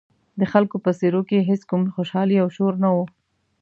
د خلکو په څېرو کې هېڅ کوم خوشحالي او شور نه و.